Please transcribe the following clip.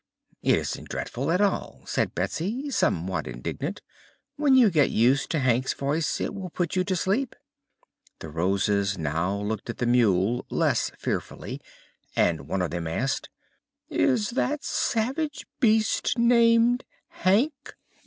"It isn't dreadful at all," said Betsy, somewhat indignant. "When you get used to Hank's voice it will put you to sleep." The Roses now looked at the mule less fearfully and one of them asked: "Is that savage beast named Hank?"